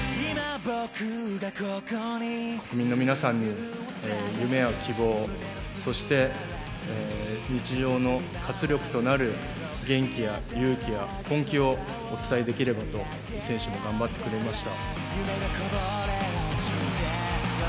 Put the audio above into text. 国民の皆さんに夢や希望、そして日常の活力となる元気や勇気や本気をお伝えできればと、選手も頑張ってくれました。